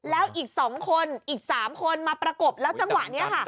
แล้วอีก๒คนอีก๓คนมาประกบแล้วจังหวะนี้ค่ะ